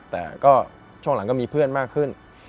แต่ก็ช่วงหลังก็มีเพื่อนมากขึ้น